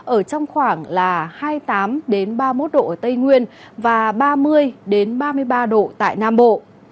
ở trong khoảng là hai mươi tám ba mươi một độ ở tây nguyên và ba mươi ba mươi ba độ tại nam bộ